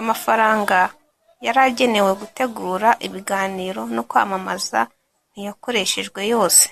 Amafaranga yari agenewe gutegura ibiganiro no kwamamaza ntiyakoreshejwe yose